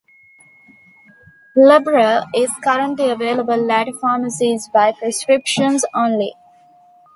Lybrel is currently available at pharmacies by prescription only.